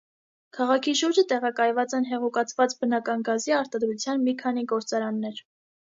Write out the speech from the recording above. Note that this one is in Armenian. Քաղաքի շուրջը տեղակայված են հեղուկացված բնական գազի արտադրության մի քանի գործարաններ։